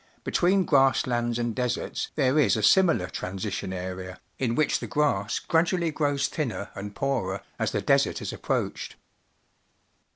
Between grass lands and deserts there is a similar transition area, in which the grass gradually grows thinner and poorer as the desert is approached.